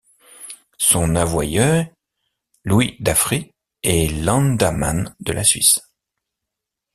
Son avoyer, Louis d'Affry, est Landamman de la Suisse.